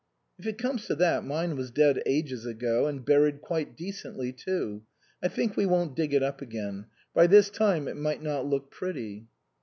"If it comes to that, mine was dead ages ago, and buried quite decently too. I think we won't dig it up again ; by this time it might not look pretty."